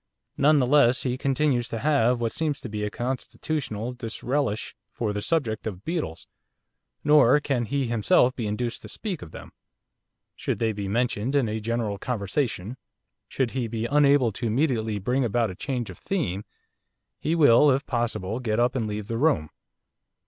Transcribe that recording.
None the less he continues to have what seems to be a constitutional disrelish for the subject of beetles, nor can he himself be induced to speak of them. Should they be mentioned in a general conversation, should he be unable to immediately bring about a change of theme, he will, if possible, get up and leave the room.